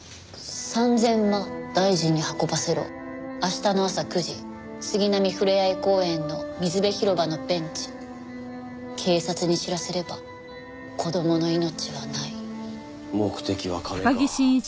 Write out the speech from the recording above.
「三千万大臣に運ばせろ」「明日の朝９時杉並ふれあい公園の水辺広場のベンチ」「警察に知らせれば子供の命はない」目的は金か。